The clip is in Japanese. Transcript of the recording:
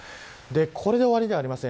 これで終わりではありません。